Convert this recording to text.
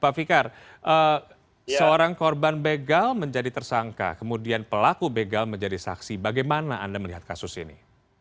pak fikar seorang korban begal menjadi tersangka kemudian pelaku begal menjadi saksi bagaimana anda melihat kasus ini